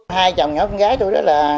hai chồng nhỏ con gái tôi